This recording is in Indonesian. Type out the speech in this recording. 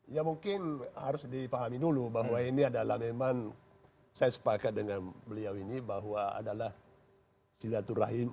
ya mungkin harus dipahami dulu bahwa ini adalah memang saya sepakat dengan beliau ini bahwa adalah silaturahim